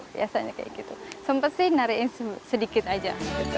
biasanya kayak gitu sempat sih nariin sedikit aja